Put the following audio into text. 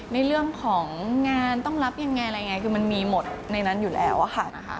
ในเรื่องของงานต้องรับยังไงอะไรยังไงคือมันมีหมดในนั้นอยู่แล้วค่ะนะคะ